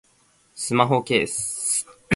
スマホケース